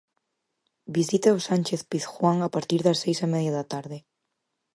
Visita o Sánchez-Pizjuán a partir das seis e media da tarde.